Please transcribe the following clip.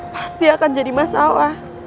pasti akan jadi masalah